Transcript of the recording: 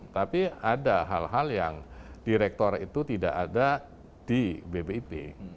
tapi ada hal hal yang direktor itu tidak ada di bpip